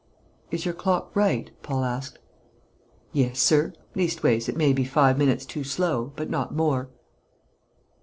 "Is your clock right?" Paul asked. "Yes, sir. Leastways, it may be five minutes too slow, but not more."